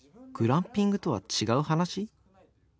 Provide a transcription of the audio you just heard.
グランピングとは違う話？